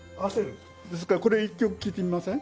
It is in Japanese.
ですからこれを１曲聴いてみません？